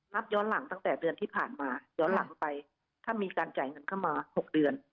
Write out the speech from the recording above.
นับย้อนหลังตั้งแต่เดือนที่ผ่านมาย้อนหลังไปถ้ามีการจ่ายเงินเข้ามา๖เดือน